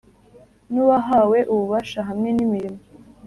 n’uwahawe ububasha hamwe n’imirimo